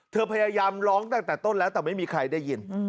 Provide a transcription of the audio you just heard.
พยายามร้องตั้งแต่ต้นแล้วแต่ไม่มีใครได้ยิน